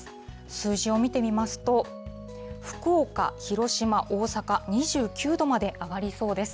数字を見てみますと、福岡、広島、大阪２９度まで上がりそうです。